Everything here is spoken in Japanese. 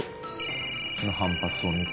反発を見て。